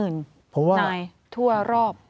นายทั่วรอบ